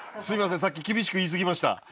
すいませんさっき厳しく言いすぎました。